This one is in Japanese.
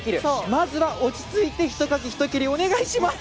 まずは落ち着いてひとかき、ひと蹴りをお願いします！